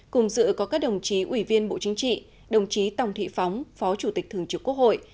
cùng dự có các đồng chí ủy viên bộ chính trị đồng chí tòng thị phóng phó chủ tịch thường trực quốc hội